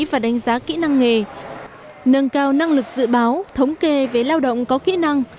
và đánh giá kỹ năng nghề nâng cao năng lực dự báo thống kê về lao động có kỹ năng